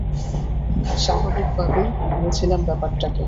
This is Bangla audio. স্বাভাবিক ভাবেই নিয়েছিলাম ব্যাপারটাকে।